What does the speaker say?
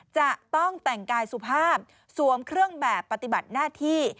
จะต้องแต่งกายสุภาพสวมเครื่องแบบปฏิบัติหน้าที่